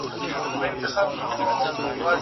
هيڅ پوښتنه بې ځوابه مه پرېږدئ.